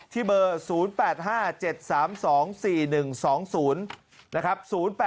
ที่เบอร์๐๘๕๗๓๒๔๑๒๐นะครับ๐๘๕๗๓๒๔๑๒๐